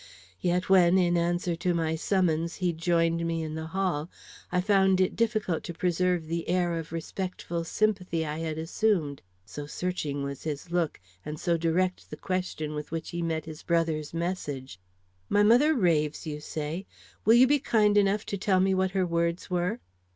Yet when, in answer to my summons, he joined me in the hall, I found it difficult to preserve the air of respectful sympathy I had assumed, so searching was his look, and so direct the question with which he met his brother's message. "My mother raves, you say; will you be kind enough to tell me what her words were?"